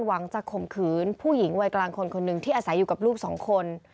หวังจะข่มขืนผู้หญิงวัยกลางคนคนหนึ่งที่อาศัยอยู่กับลูกสองคน